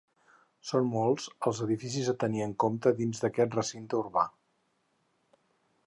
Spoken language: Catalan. Són molts els edificis a tenir en compte dins d'aquest recinte urbà.